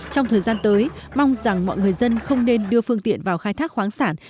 trong thời gian tới mong rằng mọi người dân không nên đưa phương tiện vào khai thác khoáng sản